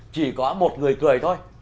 chỉ có một người cười thôi